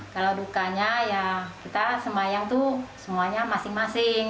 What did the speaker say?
kalau dukanya ya kita semayang tuh semuanya masing masing